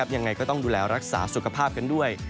ยังไงก็ต้องดูแลรักษาสุขภาพกันด้วย